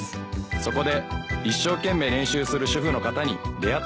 そこで一生懸命練習する主婦の方に出会って。